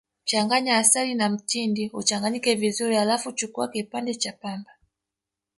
Changanya asali na mtindi uchanganyike vizuri Halafu chukua kipande cha pamba